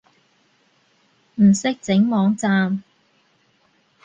唔識整網站